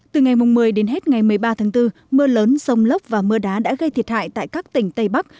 từ ngày một mươi đến hết ngày một mươi ba tháng bốn mưa lớn sông lốc và mưa đá đã gây thiệt hại tại các tỉnh tây bắc